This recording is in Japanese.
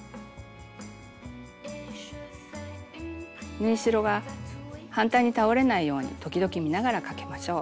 縫い代が反対に倒れないように時々見ながらかけましょう。